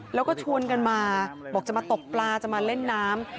แล้วก็ชวนกันมาบอกจะมาตกปลาจะมาเล่นน้ำ